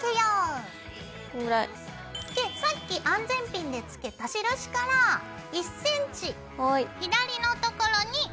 でさっき安全ピンでつけた印から１ｃｍ左のところに上から通す。